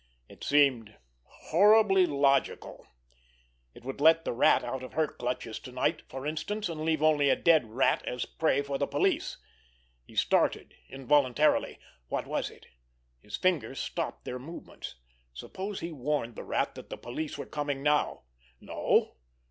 It seemed horribly logical. It would let the Rat out of her clutches to night, for instance, and leave only a dead Rat as prey for the police. He started involuntarily. Was that it? His fingers stopped their movements. Suppose he warned the Rat that the police were coming now? No!